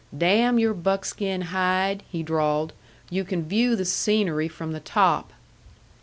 "Damn your buckskin hide," he drawled. "You can view the scenery from the top."